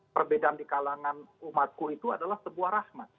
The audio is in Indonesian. perbedaan di kalangan umatku itu adalah sebuah rahmat